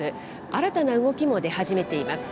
新たな動きも出始めています。